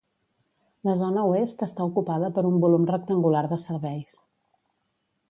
La zona oest està ocupada per un volum rectangular de serveis.